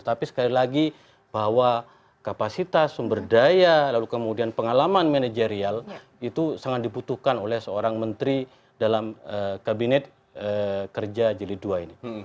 tapi sekali lagi bahwa kapasitas sumber daya lalu kemudian pengalaman manajerial itu sangat dibutuhkan oleh seorang menteri dalam kabinet kerja jeli dua ini